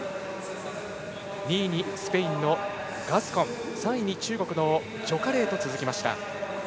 ２位にスペインのガスコン３位に中国の徐佳玲と続きました。